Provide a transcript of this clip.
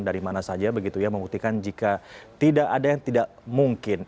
dari mana saja begitu ya membuktikan jika tidak ada yang tidak mungkin